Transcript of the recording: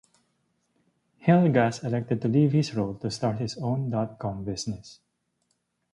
Hillegass elected to leave his role to start his own dot-com business.